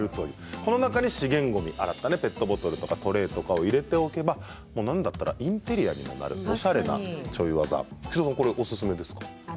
この中に資源ごみペットボトルトレーを入れておけばなんだったらインテリアになるおしゃれなちょい技これ、おすすめですか。